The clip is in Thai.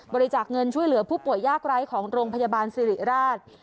บริจาคเงินช่วยเหลือผู้ป่วยยากไร้ของโรงพยาบาลสิริราช